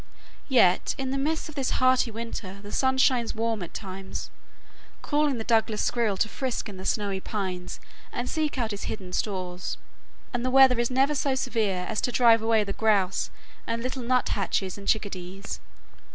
Yet in the midst of this hearty winter the sun shines warm at times, calling the Douglas squirrel to frisk in the snowy pines and seek out his hidden stores; and the weather is never so severe as to drive away the grouse and little nut hatches and chickadees.